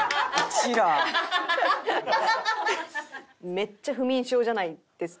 めっちゃ不眠症じゃないですか？